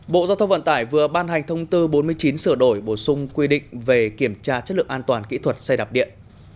bộ giao thông vận tải vừa ban hành thông tư bốn mươi chín sửa đổi bổ sung quy định về kiểm tra chất lượng an toàn kỹ thuật xe đạp điện